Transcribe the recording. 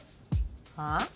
はあ？